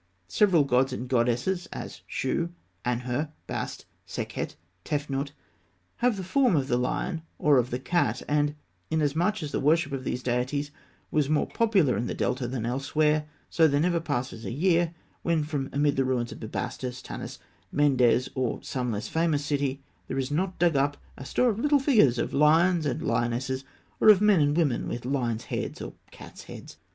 Several gods and goddesses, as Shû, Anhûr, Bast, Sekhet, Tefnût, have the form of the lion or of the cat; and inasmuch as the worship of these deities was more popular in the Delta than elsewhere, so there never passes a year when from amid the ruins of Bubastis, Tanis, Mendes, or some less famous city, there is not dug up a store of little figures of lions and lionesses, or of men and women with lions' heads, or cats' heads.